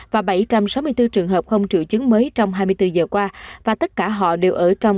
và bảy trăm sáu mươi bốn trường hợp không triệu chứng mới trong hai mươi bốn giờ qua và tất cả họ đều ở trong